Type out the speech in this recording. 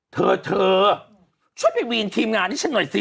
เธอเธอช่วยไปวีนทีมงานให้ฉันหน่อยสิ